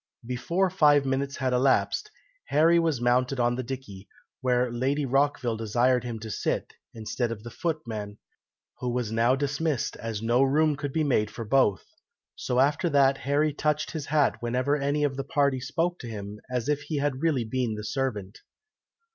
Before five minutes had elapsed, Harry was mounted on the dickey, where Lady Rockville desired him to sit, instead of the footman, who was now dismissed, as no room could be made for both; so after that Harry touched his hat whenever any of the party spoke to him, as if he had really been the servant.